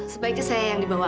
sebaiknya saya yang dibawa